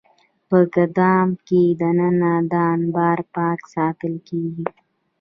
په ګدام کې دننه دا انبار پاک ساتل کېږي.